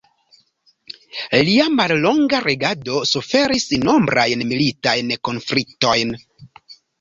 Lia mallonga regado suferis nombrajn militajn konfliktojn.